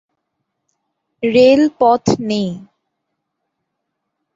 Rail পথ নেই।